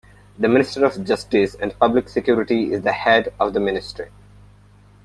The Minister of Justice and Public Security is the head of the ministry.